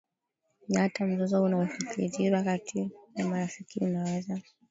Na hata mzozo unaofikiriwa kati ya marafiki unaweza